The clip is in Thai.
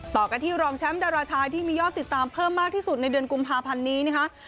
ต่อกันที่รองแชมป์ดาราชายที่มียอดติดตามเพิ่มมากที่สุดในเดือนกุมภาพันธ์นี้นะคะ